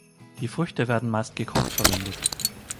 Die Früchte werden meist gekocht verwendet.